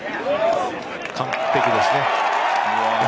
完璧ですね。